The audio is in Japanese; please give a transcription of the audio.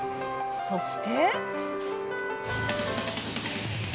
そして。